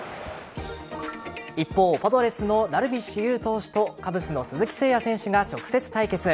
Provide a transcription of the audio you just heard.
一方パドレスのダルビッシュ有投手とカブスの鈴木誠也選手が直接対決。